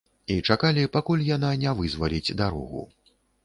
І чакалі, пакуль яна не вызваліць дарогу.